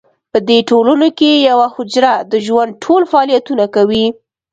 په دې ټولنو کې یوه حجره د ژوند ټول فعالیتونه کوي.